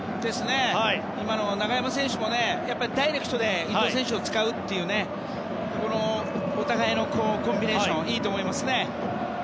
今の中山選手もダイレクトで伊東選手を使うというお互いのコンビネーションいいと思います。